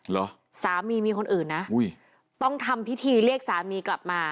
และสามีมีคนอื่นนะต้องทำปิทีเรียกสามีกลับมา